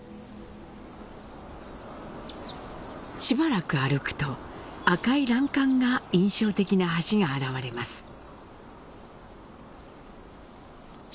しばらく歩くと、赤い欄干が印象的な橋が現れます。